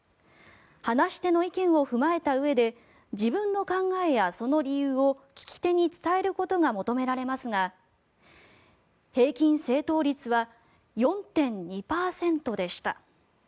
話し手の意見を踏まえたうえで自分の考えやその理由を聞き手に伝えることが求められますが平均正答率は４．２％でした。